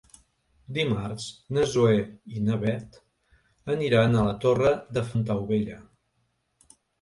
Dimarts na Zoè i na Bet aniran a la Torre de Fontaubella.